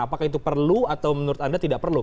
apakah itu perlu atau menurut anda tidak perlu